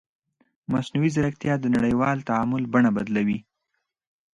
مصنوعي ځیرکتیا د نړیوال تعامل بڼه بدلوي.